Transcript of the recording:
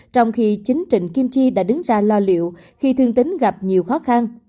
trong khi chính trịnh kim chi đã đứng ra lo liệu khi thương tính gặp nhiều khó khăn